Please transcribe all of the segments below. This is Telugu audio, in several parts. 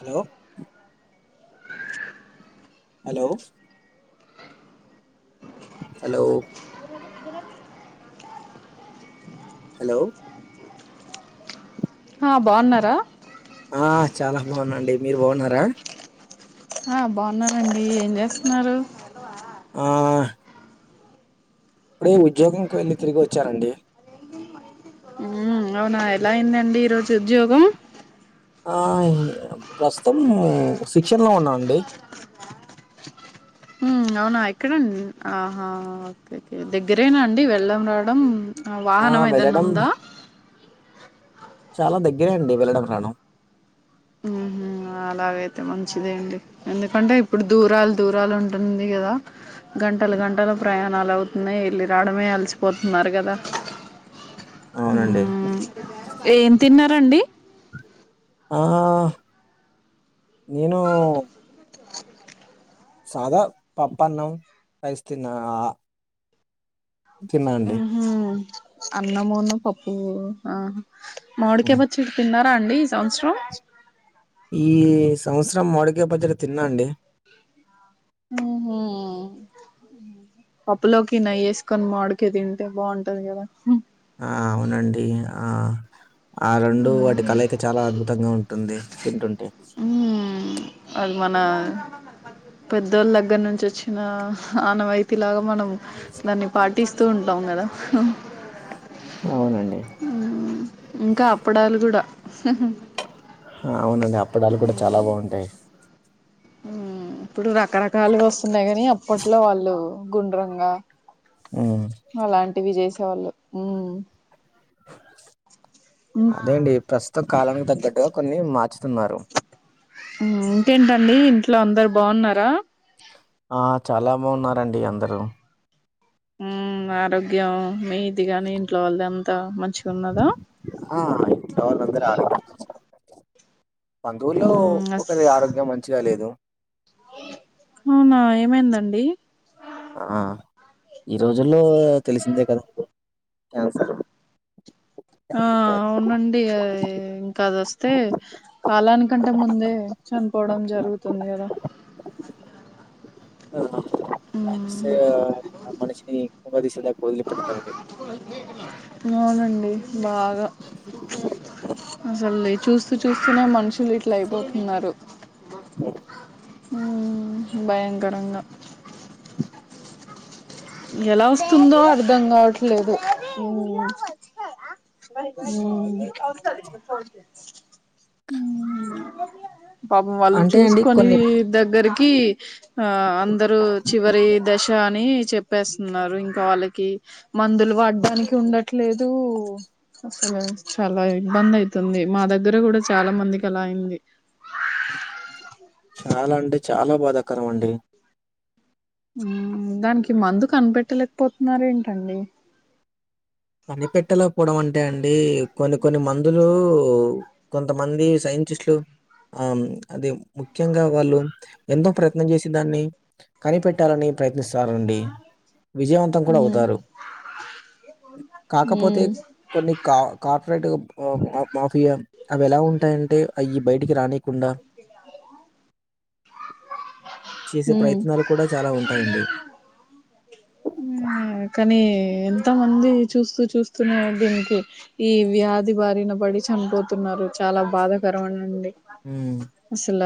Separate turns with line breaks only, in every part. హలో హలో హలో హలో
ఆ బాగున్నారా
ఆ చాలా బాగున్నాండి. మీరు బాగున్నారా.
ఆ బాగున్నానండి. ఏం చేస్తున్నారు.
ఆ. ఇప్పుడే ఉద్యోగం వెళ్ళి తిరిగి వచ్చానండి.
ఉమ్ అవునా ఎలా అయిందండి ఈరోజు ఉద్యోగం.
ఆ ప్రస్తుతం శిక్షణ లో ఉన్నానండి.
అవునా ఎక్కడండి ఓకే ఓకే దగ్గరేనా అండి వెళ్ళడం రావడం.
ఆ
వాహనం ఏదైనా
వెళ్ళడం
ఉందా.
చాలా దగ్గరే అండి వెళ్లడం రాను.
ఉహు అలాగైతే మంచిదే అండి ఎందుకంటే ఇప్పుడు దూరాలు దూరాలు ఉంటుంది కదా. గంటలు గంటలు ప్రయాణాలు అవుతున్నాయి. వెళ్ళి రావడమే అలసిపోతున్నారు కదా.
అవునండి.
ఉమ్ ఏం తిన్నారండి.
ఆ నేను. సాదా పప్పాన్నం రైస్ తిన్న. ఆ తిన్నా అండి.
అన్నమూన్ను పప్పు. ఆ మామిడికాయ పచ్చడి తిన్నారా అండి. ఈ సంవత్సరం.
ఈ సంవత్సరం మామిడికాయ పచ్చడి తిన్నా అండి.
ఊహు. పప్పులోకి నెయ్యి యేసుకొని మావిడికాయ తింటే బాగుంటది కదా.
ఆ అవునండి. ఆ ఆ రెండు వాటి కలయిక చాలా అద్భుతంగా ఉంటుంది. తింటుంటే.
ఉమ్ అది మన పెద్దోళ్ళ దగ్గర నుంచి వచ్చిన ఆనవాయితీ లాగా మనం. దాన్ని పాటిస్తూ ఉంటాం కదా..
అవునండి.
ఇంకా అప్పడాలు కూడా.
అవునండి అప్పడాలు కూడా చాలా బాగుంటాయి.
ఇప్పుడు రకరకాలుగా వస్తున్నాయి కాని, అప్పట్లో వాళ్ళు గుండ్రంగా.
ఉ.
అలాంటివి చేసే వాళ్ళు. ఉ
అదే అండి ప్రస్తుతం కాలానికి తగ్గట్టుగా కొన్ని మార్చుతున్నారు.
ఇంకేంటండి ఇంట్లో అందరు బాగున్నారా.
ఆ చాలా బాగున్నారండి అందరూ.
ఉ ఆరోగ్యం మీది గాని ఇంట్లో వాళ్ళది అంత మంచిగా ఉన్నదా.
ఆ ఇంట్లో వాళ్లందరు ఆరోగ్యాంగా ఉన్నారు. బంధువుల్లో
మ్మ్ అస్
ఒకరి ఆరోగ్యం మంచిగా లేదు.
అవునా ఏమైందండి.
ఆ ఈ రోజుల్లో తెలిసిందే కదాఅండి కాన్సర్.
ఆ అవునండి ఇంకా అదోస్తే. కాలానికంటే ముందే చనిపోవడం జరుగుతుంది కదా.
కాన్సర్
మ్మ్
ఆ మనిషిని ఉగదీసేదాకా వదిలి పెట్టడండి.
అవునండి. బాగా అసలే చూస్తూ చూస్తూనే మనుషు. లు ఇట్లా అయిపోతున్నారు.
స
మ్మ్ భయంకరంగా ఎలా వస్తుందో అర్థం గావట్లేదు ఉమ్ ఉమ్ పాపం వాళ్ళు
అంటే అండి
చూసుకొని
కొన్ని
దగ్గరికి ఆ అందరూ చివరి దశ అని చెప్ ప్పేస్తున్నారు ఇంకా వాళ్ళకి మందులు వాడ్డానికి ఉండట్లేదు అసలు చాలా ఇబ్బంది అయితుంది మా దగ్గర కూడా చాలా మందికి అలా అయింది
చాలా అంటె చాలా భాదాకరం అండి
ఉమ్ దానికి మందు కనిపెట్టలేకపోతున్నారు ఏంటండి
కనిపెట్టలేకపోవడం అంటే అండి కొన్ని కొన్ని మందులు కొంతమంది సైంటిస్టులు ఆ అది ముఖ్యంగా వాళ్ళు ఎంతో ప్రయత్నం చేసి దాన్ని కనిపెట్టాలని ప్రయత్నిస్తారండి విజయవంతం కూడా
మ్మ్
అవుతారు కాకపోతే
మ్మ్
కొన్ని కా కార్పొరేట్ ఆ మాఫియా అవి ఎలా ఉంటాయంటే అయ్యి బయటికి రానీకుండా చేసే
మ్మ్
ప్రయత్నాలు కూడ చాలా ఉంటాయండి
ఉమ్ కనీ ఎంత మంది చూస్తూ చూస్తూనే దీనికి ఈ వ్యాధి బారిన పడి చనిపోతున్నారు చాలా బాధకరమనండి
ఉమ్
అసల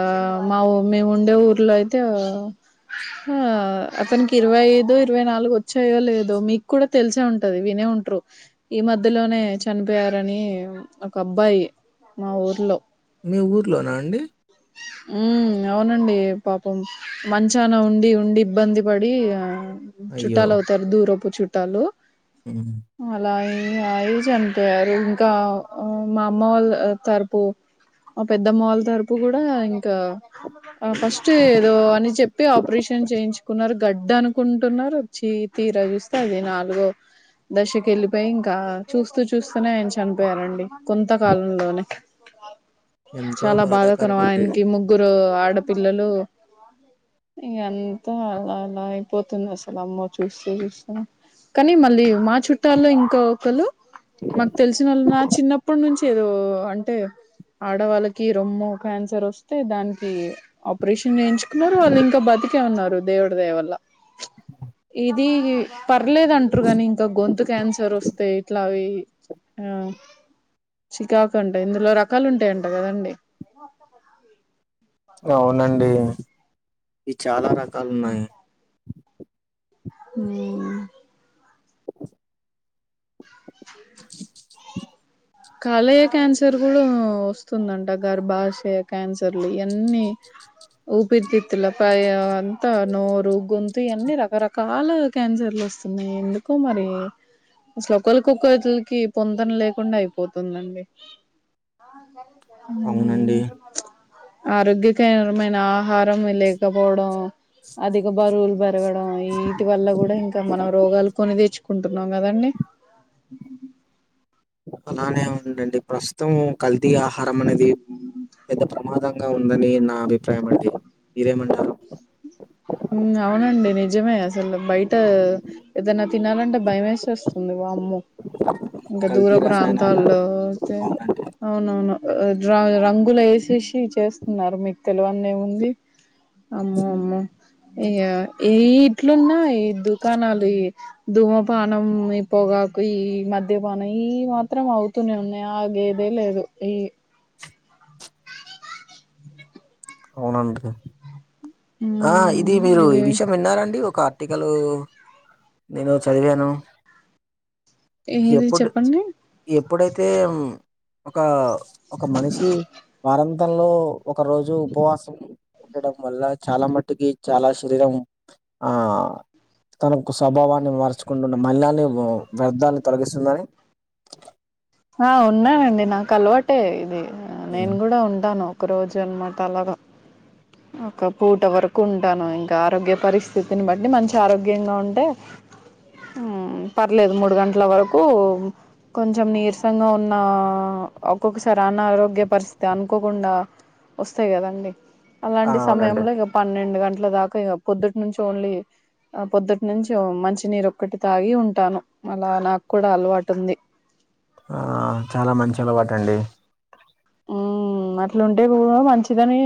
మా ఊ మేముండే ఊర్లో అయితే ఆ హా అతనికి ఇరువై ఐదు ఇర్ ఇరవై నాలుగు వచ్చయో లేదో మీక్కూడ తెలిసే ఉంటది వినే ఉంట్రు ఈ మధ్యలోనే చనిపోయారని ఒక అబ్బాయి మా ఊర్లో
మీ ఊర్లోనా అండి
ఊమ్ అవునండి పాపం మంచాన ఉండి ఉండి ఇబ్బంది పడీ ఆ
అయ్యో!
చుట్టాలు అవుతారు దూరపు చుట్టాలు
ఉమ్
అలా అయి అయి చనిపోయారు ఇంకా మా అమ్మ వాళ్ళ తరుపు మా పెద్దమ్మ వాళ్ళ తరపు కూడ ఇంకా ఆ ఫస్ట్ ఏదో అని చెప్పి ఆపరేషన్ చేయించుకున్నారు గడ్డ అనుకుంటున్నారు చి తీరా జూస్తే అది నాలుగో దశకి వెళ్ళిపోయి ఇంకా చూస్తూ చూస్తూనే ఆయన చనిపోయారండి కొంతకాలంలోనే
ఎంతో
చాలా
బాధాకరం అండి
ఆయనకి ముగ్గురు ఆడపిల్లలు అ ఇంగంతా అలా అలా అయిపోతుంది అసలు అమ్మో చూస్తూ చూస్తూనే కనీ మళ్ళీ మా చుట్టాల్లో ఇంకా ఒకలు మాకు తెలిసిన వాళ్ళు నా చిన్నప్పటి నుంచి కి ఏదో అంటే ఆడవాళ్ళకి రొమ్ము క్యాన్సర్ వస్తే దానికి ఆపరేషన్ చేయించుకున్నారు వాళ్ళు ఇంకా బతికే ఉన్నారు దేవుడి దయవల్ల ఇదీ పర్లేదంటరు కాని ఇంకా గొంతు క్యాన్సర్ వస్తే ఇట్లావి ఆ చికాకు అంట ఇందులో రకాలుంటయంట కదండి
అవునండి ఇయి చాలా రకాలు ఉన్నాయి
ఉమ్ కాలేయ క్యాన్సర్ కూడా వస్తుందంట, గర్భాశయ క్యాన్సర్లు ఇయన్నీ ఊపిరితిత్తులకు అయి అంతా నోరు, గొంతు ఇయన్నీ రకరకాల క్యాన్సర్లు వస్తున్నయి ఎందుకో మరి. అసలు ఒకోళ్ళకు ఒక్కొళ్ళకి పొంతన లేకుండా అయి పోతుందండి.
అవునండి.
ఆరోగ్యకేరమైన ఆహారం లేకపోవడం, అధిక బరువులు పె పెరగడం ఇయిటి వల్ల కూడా ఇంకా మనం రోగాలు కొని తెచ్చుకుంటున్నాం కదండి. [unintelligible]
అలానే ఉందండి ప్రస్తుతం కల్తీ ఆహారం అనేది పెద్ద ప్రమాదం గా ఉందని నా అభిప్రాయం అండి. మీరేమంటారు?
ఉ అవునండి నిజమే అసలు బయటా ఏదన్నా తినాలంటే భయం ఎసేస్తుంది వామ్మో. ఇంకా దూర
కల్తీ రసాయనాల
ప్రాంతాల్లో అయితే
అవునండి.
అవునవును రా రంగు లు వేశేశి చేస్తున్నారు మీకు తెలవన్ది ఏముంది అమ్మో అమ్మో. అయ్యా ఏయి ఇట్లున్నా ఈ దుకాణాలు ఇ ధూమపానం, ఈ పొగాకు ఈ మద్య పానం ఈ ఈ మాత్రం అవు తూనే ఉన్నయి ఆగేదే లేదు ఇయి.
అవునండి ఆ ఇది
ఉమ్
మీరు ఈ
ఇవి
విషయం విన్నారండి ఒక ఆర్టికలు నేను చదివాను.
ఏది
ఎప్పుడు
చెప్పండి
ఎప్పుడైతే ఒకా ఒక మనిషి వారాంతంలో ఒక రోజు ఉపవాసం ఉండడం వల్లా చాలా మట్టుకి చాలా శరీరం ఆ తనొక స్వభావాన్ని మార్చుకుంటున్న మళినాల్ని, వ్యర్ధాన్ని తొలగిస్తుందని.
ఆ ఉన్నానండి నాకు అలవాటే ఇది నేను
హ్మ్.
కూడా ఉంటాను. ఒక రోజన్మాట అలాగా.
[unintelligible]
ఒక పూట వరకు ఉంటాను ఇంకా ఆరోగ్య పరిస్థితిని బట్టి మంచి ఆరోగ్యంగా ఉంటే పర్లేదు మూడు గంటల వరకు కొంచెం నీర్స్ సంగా ఉన్నా ఒక్కొక్కసారి అనారోగ్య పరిస్థితి అనుకోకుండా వస్తాయి కదండి,
ఆ!
అలాంటి
అవునండి.
సమయంలో ఇగ పన్నెండు గంట్ల దాకా ఇగ పొద్దటి నుంచి ఓన్లీ ఆ పొద్దుటి నుంచి మంచినీరు ఒక్కటి తాగి ఉంటాను అలా నాకు కూడా అలవాటు ఉంది.
ఆ చాలా మంచి అలవాటండి.
ఉ అట్లుంటే కూడ మంచిదని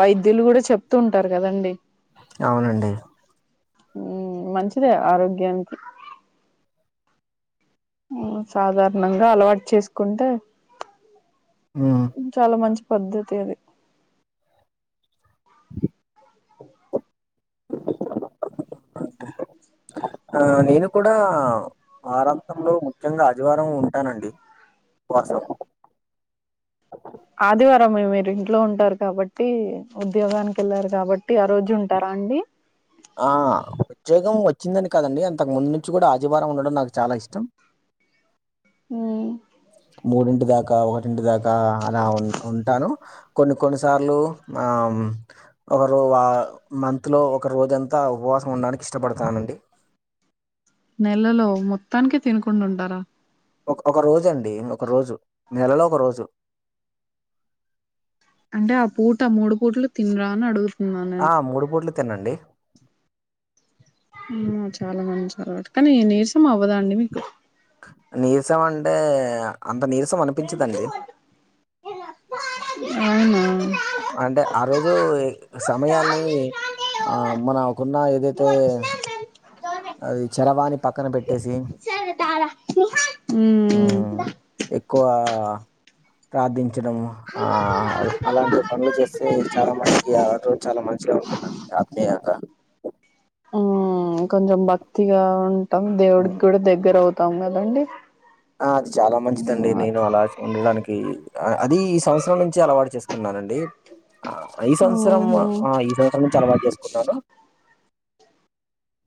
వైద్యులు కూడా చెప్తూ ఉంటరు కదండి.
అవునండి.
మంచిదే ఆరోగ్యానికి. సాధారణంగా అలవాటు చేసుకుంటే
ఉ
చాలా మంచి పద్ధతి అది.
ఆ నేను కూడా వారాంతంలో ముఖ్యంగా ఆదివారం ఉంటానండి. వర్షం
ఆదివారం మీ మీరు ఇంట్లో ఉంటారు కాబట్టి ఉద్యోగానికి వెళ్లార్ కాబట్ ట్టి ఆ రోజు ఉంటారా అండి
ఆ ఉద్యోగం ఒచ్చిందని కాదండి, అంతకు ముందు నుంచి గుడా ఆదివారం ఉండడం నాకు చాలా ఇష్టం.
ఉమ్మ్
మూడింటి దాకా, ఒటింటి దాకా ఆ అలా ఉన్ ఉంటాను. కొన్ని కొన్ని సార్లు ఆమ్ ఒకరు ఆ మంత్ లో ఒకర్ రోజంతా ఉపవాసం ఉండటానికి ఇష్టపడతానండి.
నెలలో మొత్తానికి తినకుండా ఉండారా
ఒక్ ఒక రోజు అండి, ఒక రోజు నెలలో ఒక రోజు
అంటే ఆ పూట మూడు పూట్లు తినరా అని అడుగుత్
ఆ మూడు పూట్లు తిన్నండి
ఉమ్ చాలా మంచి అలవాటు, కానీ నీరసం అవ్వదా అండి మీకు.
నీరసం అంటే, ఆ అంత నీరసం అనిపించదండి.
అవున ఉమ్
అంటే ఆ రోజు ఈ సమయాన్ని ఆ మనకున్న ఏదైతే అది చరవానీ పక్కన పెట్టేసి
తాళం ఉ ఉమ్
ఉమ్మ్ ఎక్కువ ప్రార్థించడం ఆ అలాంటి పన్లు చేస్తే చాలా మట్టుక్ కి ఆ రోజు చాలా మంచిగా ఉంటుందండి ఆత్మీయత.
ఉమ్ కొంచెం భక్తిగా ఉంటాం, దేవుడికి
అవును.
గుడా దగ్గరవుతాం కదండి.
ఆ అది చాలా మంచిదండి
ఉహు
నేను అలా ఉండడానికి, ఆ అది ఈ సంవత్సరం నుంచే అలవాటు చేసుకున్నానండి. ఆ ఈ సంవత్సరం
ఉహు
ఆ అయి ఈ సంవత్సరం నుంచి అలవాటు చేసుకున్నాను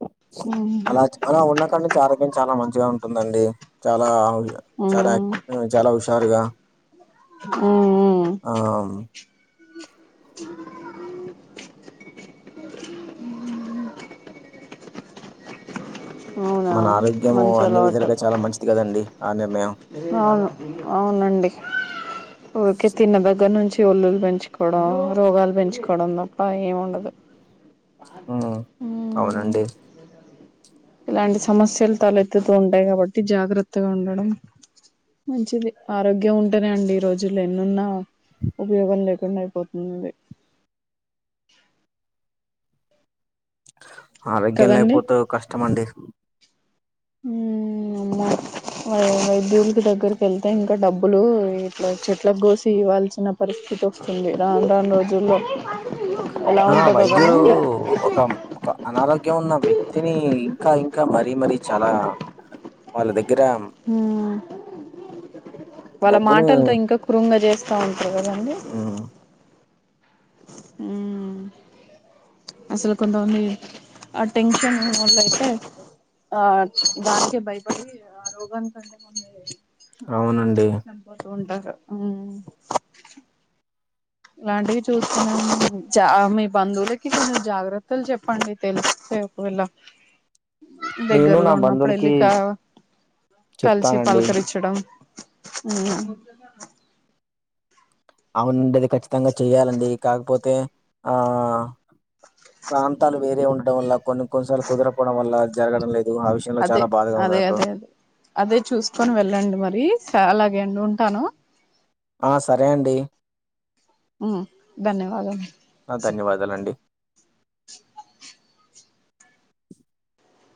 [unintelligible] అలా అలా ఉన్నాకడ్నుంచి ఆరోగ్యం చాలా మంచిగా ఉంటుందండి. చాలా ఆవ్ చాలా
ఉమ్
ఉమ్ చాలా ఉషారుగా
ఉ
ఆ అవున్
అవునా
మన ఆరోగ్యము
మంచి
అన్ని
అలవాటు
విధాలుగా చాలా మంచిది కదండి ఆ నిర్ణయం.
అవును అవునండి ఊర్కే తిన్న దగ్గర్ నుంచి ఒల్లులు పెంచుకోడం, రోగాలు పెంచుకోడం తప్ప ఏం ఉండదు.
ఉమ్ అవునండి
ఇలాంటి సమస్యలు తలెత్తుతూ ఉంటాయి కాబట్టి, జాగ్రత్తగా ఉండడం మంచిది, ఆరోగ్యం ఉంటేనే అండి ఈ రోజుల్లో ఎన్నున్నా ఉపయోగం లేకుండా అయిపోతుంది ఇది
ఆరోగ్యం లేకపోతే కష్టమండి
ఉమ్మ్ అమ్మ ఆ వైదుల్కి దగ్గరకి ఎళ్తే ఇంకా డబ్బులు ఇట్లా చెట్లగొసి ఇవ్వాల్సిన పరిస్థితి ఒస్తుంది, రాను రాను రోజుల్లో ఎలా
ఆ
ఉంటుందో
వైద్యులు
గానీ
ఒక ఒక అనారోగ్యం ఉన్న వ్యక్తిని ఇంకా ఇంకా మరీ మరీ చాలా వాళ్ళ దగ్గర
ఆ వాళ్ళ
డబ్బును
మాటలతో ఇంకా క్రుంగ చేస్తా ఉంటారు కదండి.
ఉమ్
అ అసలు కొంతమంది ఆ టెన్షన్ అ వాళ్ల అయితే ఆ దానికే భయపడి ఆ రోగాని కంటే కొ
అవునండి
పోట్టుకుంటారు ఉ ఇలాంటివి చూస్తున్నాంటె చ మీ బంధువులకి కొన్ని జాగ్రత్తలు చెప్పండి తెలిస్తే పోలా
[unintelligible] నేను నా
దగ్గరలో ఉన్నప్పుడు వెళ్ళి
బంధువులకి
కా కలిసి
చెప్తానండి
పలకరిచ్చడం. ఆ
అవునండి ఖచ్చితంగా చెయాలండి కాకపోతే ఆ ప్రాంతాలు వేరే ఉండటడం వల్ల కొన్ని కొన్నిసార్లు కుదరపోవడం వల్ల జరగడం లేదు. ఆ విషయంలో
అదే
చాలా బాధగా ఉంది
అదే
నాకు
అదే అదే అదే చూసుకొని వెళ్ళండి మరి స అలాగే అండి ఉంటాను.
ఆ సరే అండి
ఉ ధన్యవాదం
అ ధన్యవాదాల అండి